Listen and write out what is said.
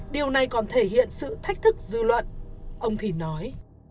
điều này còn thể hiện sự thách thức dư luận ông thì nói